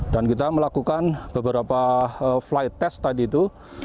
dan kita melakukan beberapa flight test tadi itu